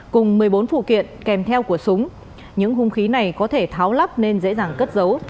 cùng một mươi bốn phụ kiện kèm theo của súng những hung khí này có thể tháo lắp nên dễ dàng cất giấu